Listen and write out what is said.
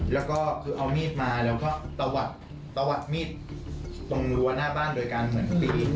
แล้วก็คือเอามีดมาแล้วก็ตะวัดตะวัดมีดตรงรั้วหน้าบ้านโดยการเหมือนตี